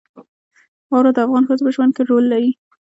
واوره د افغان ښځو په ژوند کې رول لري.